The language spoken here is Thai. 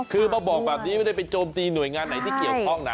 คือมาบอกแบบนี้ไม่ได้ไปโจมตีหน่วยงานไหนที่เกี่ยวข้องนะ